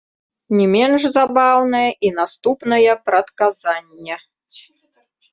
Не менш забаўнае і наступная прадказанне.